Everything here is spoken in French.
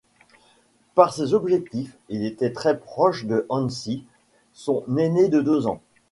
Par ses objectifs, il était très proche de Hansi, son ainé de deux ans.